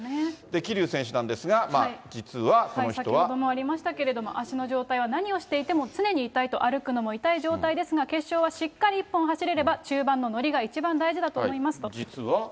桐生選手なんですが、先ほどもありましたけれども、足の状態は何をしていても常に痛いと、歩くのも痛い状態ですが、決勝はしっかり一本走れれば中盤ののりが一番大事だと思います。